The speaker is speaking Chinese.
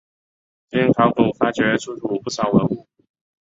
经考古发掘出土不少文物。